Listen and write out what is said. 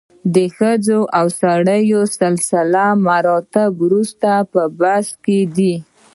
د ښځو او سړو سلسله مراتب وروسته بحث کې دي.